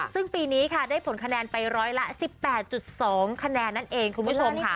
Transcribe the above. ซึ่งปีนี้ค่ะได้ผลคะแนนไปร้อยละ๑๘๒คะแนนนั่นเองคุณผู้ชมค่ะ